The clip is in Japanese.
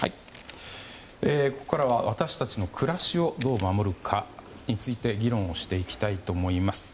ここからは私たちの暮らしをどう守るかについて議論していきたいと思います。